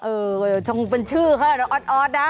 เออเค้าจงเป็นชื่ออ๊อตนะ